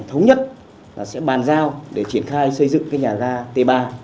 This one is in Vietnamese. thống nhất sẽ bàn giao để triển khai xây dựng nhà ga t ba